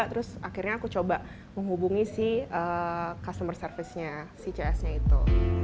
terus akhirnya aku coba menghubungi si customer service nya si cs nya itu